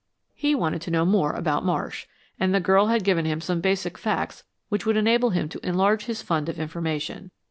He wanted to know more about Marsh, and the girl had given him some basic facts which would enable him to enlarge his fund of information.